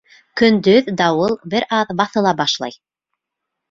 Көндөҙ дауыл бер аҙ баҫыла башлай.